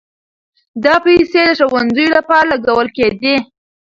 دا پيسې د ښوونځيو لپاره لګول کېدې.